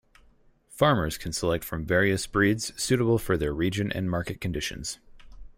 Farmers can select from various breeds suitable for their region and market conditions.